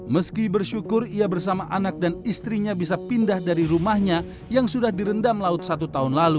meski bersyukur ia bersama anak dan istrinya bisa pindah dari rumahnya yang sudah direndam laut satu tahun lalu